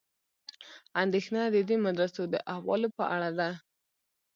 اندېښنه د دې مدرسو د احوالو په اړه ده.